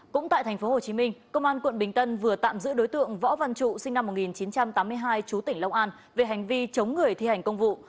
cũng tại tp hcm công an quận bình tân vừa tạm giữ đối tượng võ văn trụ sinh năm một nghìn chín trăm tám mươi hai chú tỉnh long an về hành vi chống người thi hành công vụ